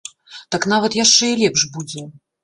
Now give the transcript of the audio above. Так нават яшчэ і лепш будзе.